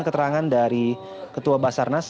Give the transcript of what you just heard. keterangan dari ketua basarnas